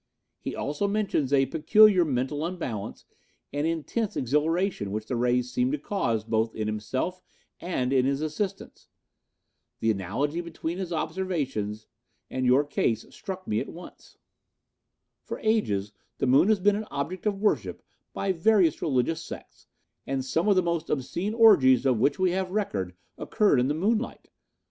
He also mentions a peculiar mental unbalance and intense exhilaration which the rays seemed to cause both in himself and in his assistants. The analogy between his observations and your case struck me at once. "For ages the moon has been an object of worship by various religious sects, and some of the most obscene orgies of which we have record occurred in the moonlight.